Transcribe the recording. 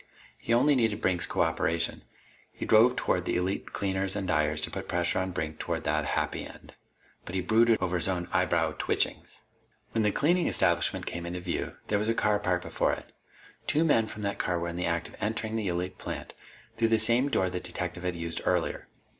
He only needed Brink's co operation. He drove toward the Elite Cleaners and Dyers to put pressure on Brink toward that happy end. But he brooded over his own eyebrow twitchings. When the cleaning establishment came into view, there was a car parked before it. Two men from that car were in the act of entering the Elite plant through the same door the detective had used earlier.